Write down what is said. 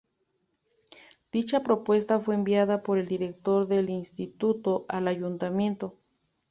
Dicha propuesta fue enviada por el director del instituto al ayuntamiento.